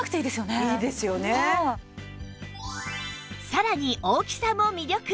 さらに大きさも魅力